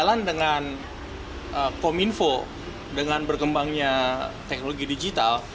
kalau kita berkembang dengan kominfo dengan berkembangnya teknologi digital